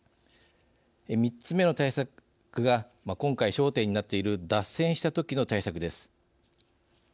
３つ目の対策が今回、焦点になっている脱線したときの対策です。